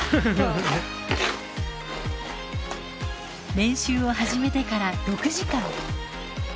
練習を始めてから６時間。